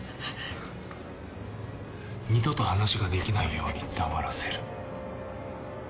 二度と話ができないように黙らせる。